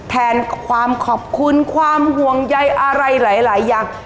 แทนความขอบคุณความห่วงใยอะไรหลายอย่าง